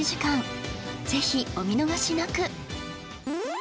ぜひお見逃しなく！